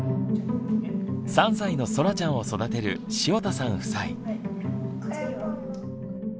３歳のそらちゃんを育てる塩田さん夫妻。